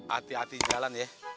ati ati jalan ya